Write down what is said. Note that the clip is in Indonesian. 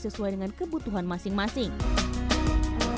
sesuai dengan kebutuhan masing masing